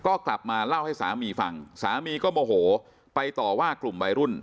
ก็กลับมาเล่าให้สามีฟังสามีก็โมโหไปต่อว่ากลุ่มวัยรุ่น